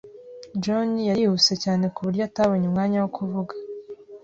John yarihuse cyane kuburyo atabonye umwanya wo kuvuga.